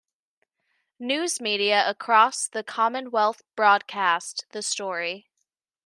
News media across the Commonwealth broadcast the story.